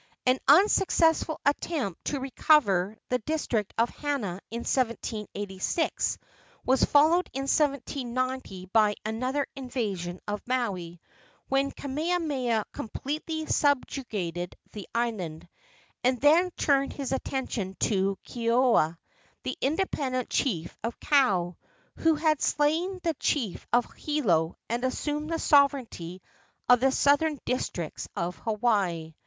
An unsuccessful attempt to recover the district of Hana in 1786 was followed in 1790 by another invasion of Maui, when Kamehameha completely subjugated the island, and then turned his attention to Keoua, the independent chief of Kau, who had slain the chief of Hilo and assumed the sovereignty of the southern districts of Hawaii.